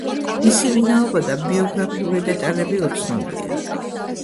მისი ვინაობა და ბიოგრაფიული დეტალები უცნობია.